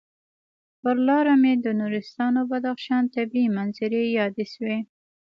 پر لاره مې د نورستان او بدخشان طبعي منظرې یادې شوې.